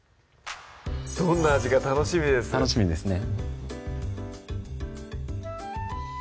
どんな味か楽しみです楽しみですね